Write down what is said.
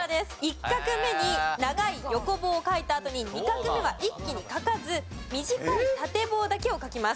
１画目に長い横棒を書いたあとに２画目は一気に書かず短い縦棒だけを書きます。